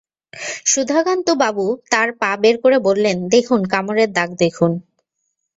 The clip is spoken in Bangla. সুধাকান্তবাবু তাঁর পা বের করে বললেন, দেখুন, কামড়ের দাগ দেখুন।